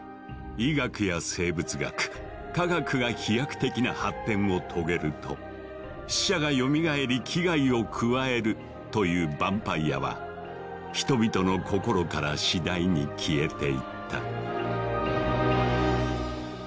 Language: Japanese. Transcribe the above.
医学や生物学化学が飛躍的な発展を遂げると死者がよみがえり危害を加えるというバンパイアは人々の心から次第に消えていった。